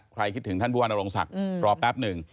ใครคิดถึงท่านบุพันธ์อลงศักดิ์รอแป๊บหนึ่ง